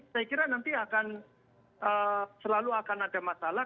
saya kira nanti akan selalu akan ada masalah